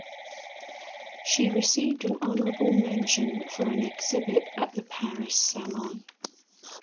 She received an honourable mention for an exhibit at the Paris Salon.